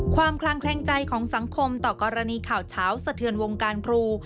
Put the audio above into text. คลางแคลงใจของสังคมต่อกรณีข่าวเฉาสะเทือนวงการครู